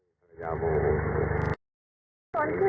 รูดหาไม่เจอคือแบบ